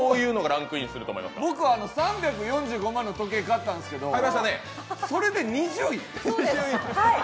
僕は３４５万の時計買ったんですけど、それで２０位？